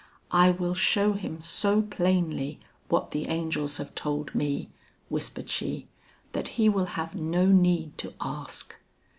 "I will show him so plainly what the angels have told me," whispered she, "that he will have no need to ask."